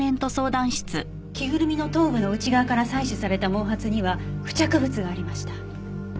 着ぐるみの頭部の内側から採取された毛髪には付着物がありました。